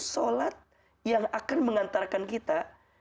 sholat yang akan mengantarkan kita